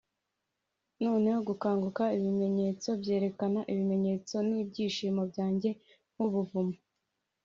'noneho gukanguka ibimenyetso byerekana ibimenyetso n'ibyishimo byanjye nk'ubuvumo